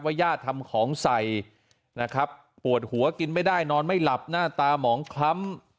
ญาติทำของใส่นะครับปวดหัวกินไม่ได้นอนไม่หลับหน้าตาหมองคล้ำ